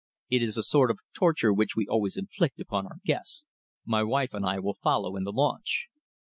It is a sort of torture which we always inflict upon our guests. My wife and I will follow in the launch."